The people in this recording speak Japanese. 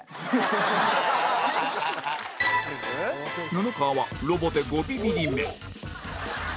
布川はロボで５ビビリ目